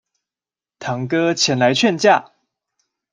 堂哥前來勸架